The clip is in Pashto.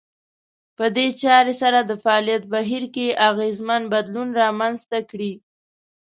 په دې چارې سره د فعاليت بهير کې اغېزمن بدلون رامنځته کړي.